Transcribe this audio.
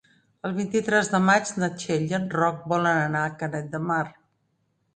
El vint-i-tres de maig na Txell i en Roc volen anar a Canet de Mar.